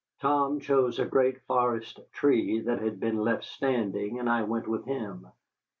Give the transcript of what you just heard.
Tom chose a great forest tree that had been left standing, and I went with him.